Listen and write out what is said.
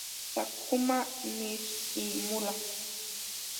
Takuma Nishimura